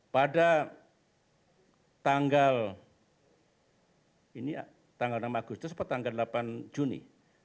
pada tanggal ini tanggal enam agustus apa tanggal delapan juni